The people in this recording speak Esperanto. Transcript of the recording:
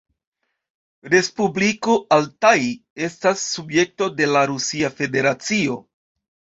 Respubliko Altaj' estas subjekto de la Rusia Federacio.